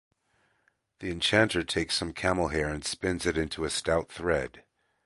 The enchanter takes some camel hair and spins it into a stout thread.